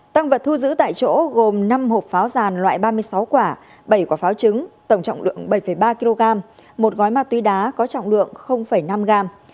tăng vật thu giữ tại chỗ gồm năm hộp pháo giàn loại ba mươi sáu quả bảy quả pháo trứng tổng trọng lượng bảy ba kg một gói ma túy đá có trọng lượng năm gram